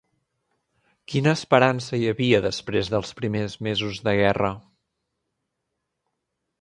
Quina esperança hi havia després dels primers mesos de guerra?